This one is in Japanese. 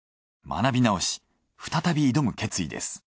学び直し再び挑む決意です。